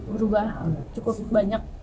berubah cukup banyak